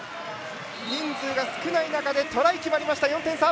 人数が少ない中でトライ決まって４点差。